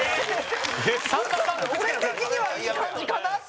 俺的には、いい感じかなって。